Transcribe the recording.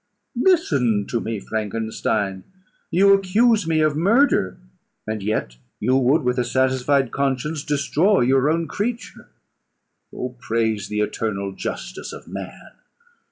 Listen to me, Frankenstein. You accuse me of murder; and yet you would, with a satisfied conscience, destroy your own creature. Oh, praise the eternal justice of man!